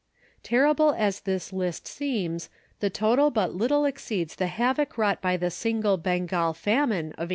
Terrible as this list seems, the total but little exceeds the havoc wrought by the single Bengal famine of 1866.